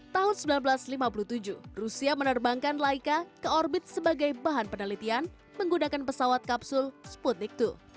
tahun seribu sembilan ratus lima puluh tujuh rusia menerbangkan laika ke orbit sebagai bahan penelitian menggunakan pesawat kapsul sputnik dua